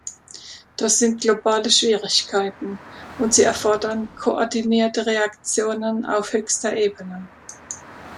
Das sind globale Schwierigkeiten, und sie erfordern koordinierte Reaktionen auf höchster Ebene.